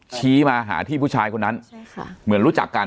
ชี้มาหาที่ผู้ชายคนนั้นใช่ค่ะเหมือนรู้จักกัน